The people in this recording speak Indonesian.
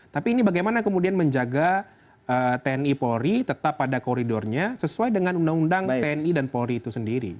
tapi ini bagaimana kemudian menjaga tni polri tetap ada koridornya sesuai dengan undang undang tni dan polri itu sendiri